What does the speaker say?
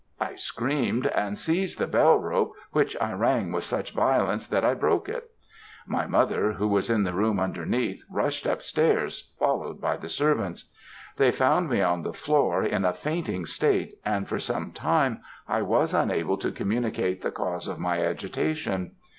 I screamed, and seized the bell rope which I rang with such violence that I broke it. My mother, who was in the room underneath, rushed up stairs, followed by the servants. They found me on the floor in a fainting state, and for some time I was unable to communicate the cause of my agitation.